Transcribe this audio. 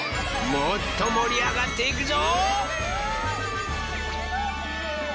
もっともりあがっていくぞ！